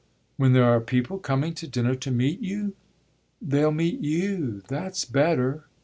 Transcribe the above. "When there are people coming to dinner to meet you?" "They'll meet you that's better."